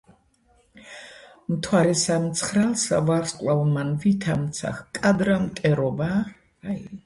მთვარესა მცხრალსა ვარსკვლავმან ვითამცა ჰკადრა მტერობა?!